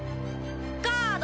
ガード。